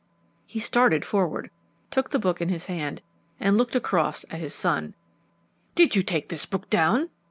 He started forward, took the book in his hand, and looked across at his son. "Did you take this book down?"